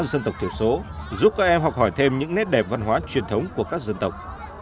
giúp các em học hỏi thêm những nét đẹp văn hóa truyền thống của các dân tộc